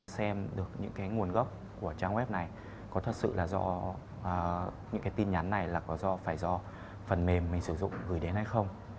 xem được những cái nguồn gốc của trang web này có thật sự là do những cái tin nhắn này là có phải do phần mềm mình sử dụng gửi đến hay không